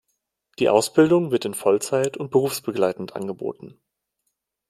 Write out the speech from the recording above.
Die Ausbildung wird in Vollzeit und berufsbegleitend angeboten.